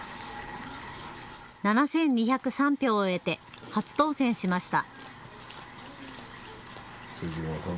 ７２０３票を得て初当選しました。